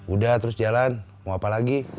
udah terus jalan mau apa lagi